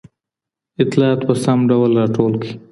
اطلاعات په سم ډول راټول کړئ.